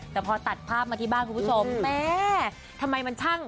แต่พอตัดภาพมาที่บ้านคุณผู้ชมแม่ทำไมมันช่าง